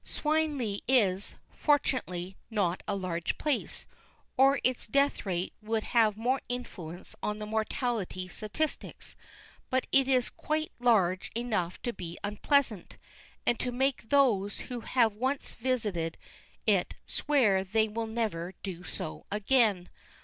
Swineleigh is, fortunately, not a large place, or its death rate would have more influence on the mortality statistics; but it is quite large enough to be unpleasant, and to make those who have once visited it swear they will never do so again.